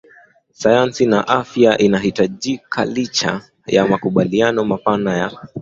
sayansi na afya unahitajikaLicha ya makubaliano mapana ya